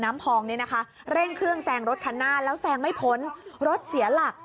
น้ำพองเร่งเครื่องแซงรถคันหน้าแล้วแซงไม่พ้นรถเสียหลัก